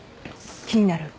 気になる？